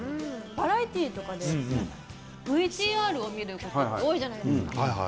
バラエティーとかでＶＴＲを見ることって多いじゃないですか